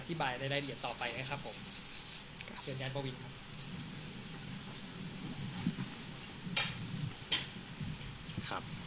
อธิบายได้ได้ละเอียดต่อไปนะครับผมขออนุญาตประวินครับ